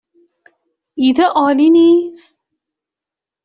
ایده عالی نیست؟